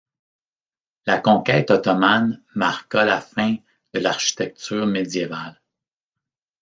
La conquête ottomane marqua la fin de l'architecture médiévale.